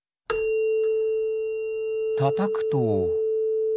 たたくと。